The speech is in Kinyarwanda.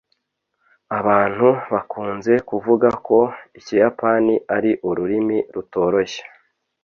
Abantu bakunze kuvuga ko Ikiyapani ari ururimi rutoroshye.